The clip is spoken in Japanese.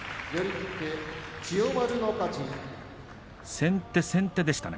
先手先手でしたね。